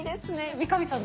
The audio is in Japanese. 三上さん